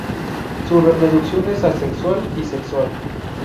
Su reproducción es asexual y sexual.